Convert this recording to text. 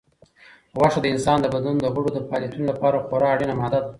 غوښه د انسان د بدن د غړو د فعالیتونو لپاره خورا اړینه ماده ده.